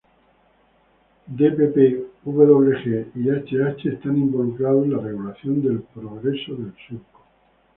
Dpp, Wg y hh están involucrados en la regulación del progreso del surco.